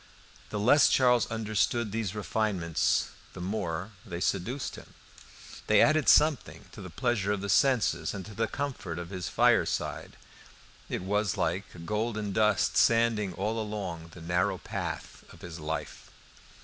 The less Charles understood these refinements the more they seduced him. They added something to the pleasure of the senses and to the comfort of his fireside. It was like a golden dust sanding all along the narrow path of his life.